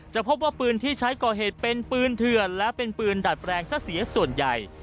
พบว่าปืนที่ใช้ก่อเหตุเป็นปืนเถื่อนและเป็นปืนดัดแปลงซะเสียส่วนใหญ่